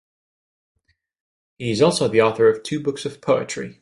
He is also the author of two books of poetry.